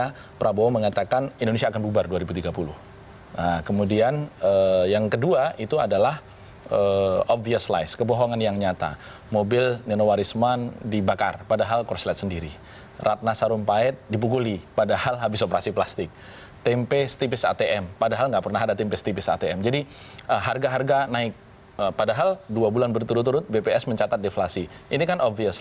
ketika prabowo mengatakan indonesia akan bubar dua ribu tiga puluh kemudian yang kedua itu adalah obvious lies kebohongan yang nyata mobil nino warisman dibakar padahal korslet sendiri ratna sarumpait dibukuli padahal habis operasi plastik tempe setipis atm padahal nggak pernah ada tempe setipis atm jadi harga harga naik padahal dua bulan berturut turut bps mencatat deflasi ini kan obvious lies